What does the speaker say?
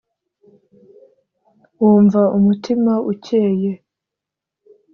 wumva umutima ukeye